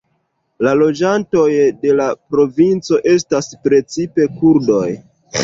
La loĝantoj de la provinco estas precipe kurdoj.